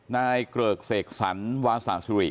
นายเกลือกเสกสรรวาสาธิริรุริย์